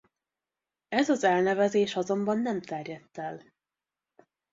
Ez az elnevezés azonban nem terjedt el.